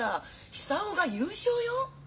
久男が優勝よ！？